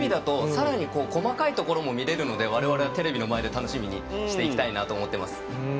テレビだとさらに細かいところも見れるので我々はテレビの前で楽しみにしたいと思います。